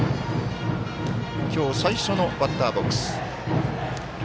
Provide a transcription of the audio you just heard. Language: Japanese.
今日最初のバッターボックス。